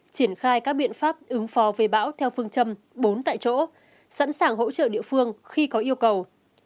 triển khai các biện pháp ứng phó với bão theo phương châm bốn tại chỗ sẵn sàng hỗ trợ địa phương khi có yêu cầu